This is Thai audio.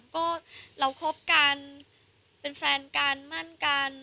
ก็เราคบกันเป็นแฟนกันมั่นกัน